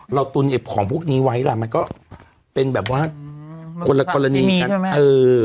เราตุนของพวกนี้ไว้ล่ะมันก็เป็นแบบว่าอืมคนละกรณีที่มีใช่ไหมเออ